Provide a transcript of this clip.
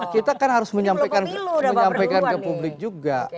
kita kan harus menyampaikan ke publik juga